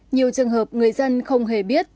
nhiều trường hợp người dân không hề biết